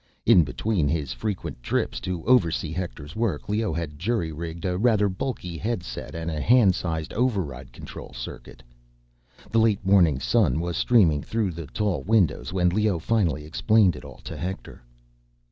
In between his frequent trips to oversee Hector's work, Leoh had jury rigged a rather bulky headset and a hand sized override control circuit. The late morning sun was streaming through the tall windows when Leoh finally explained it all to Hector.